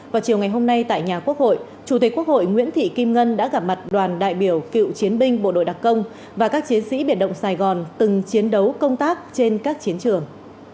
vào chiều ngày hôm nay tại nhà quốc hội chủ tịch quốc hội nguyễn thị kim ngân đã gặp mặt đoàn đại biểu cựu chiến binh bộ đội đặc công và các chiến sĩ biệt động sài gòn từng chiến đấu công tác trên các chiến trường